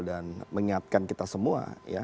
dan mengingatkan kita semua